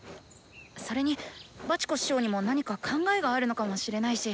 それにバチコ師匠にも何か考えがあるのかもしれないし。